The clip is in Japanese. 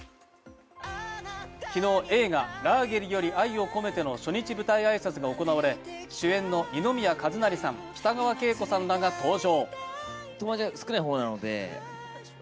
昨日、映画「ラーゲリより愛を込めて」の初日舞台挨拶が行われ、主演の二宮和也さん、北川景子さんらが登場。